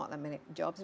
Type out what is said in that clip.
itu adalah unifikasi